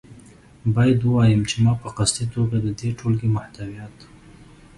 باید ووایم چې ما په قصدي توګه د دې ټولګې محتویات.